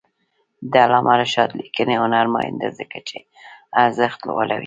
د علامه رشاد لیکنی هنر مهم دی ځکه چې ارزښت لوړوي.